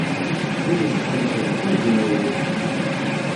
Win isḥellfen, amzun iwwet.